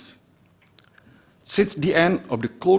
sejak akhir perang panjang